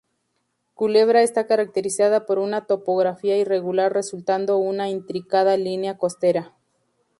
Culebra está caracterizada por una topografía irregular resultando una intrincada línea costera.